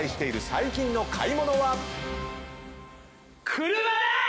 ⁉車だ！